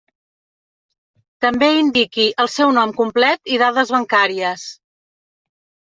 També indiqui el seu nom complet i dades bancàries.